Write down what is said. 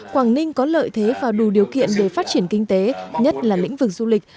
quảng ninh có lợi thế và đủ điều kiện để phát triển kinh tế nhất là lĩnh vực du lịch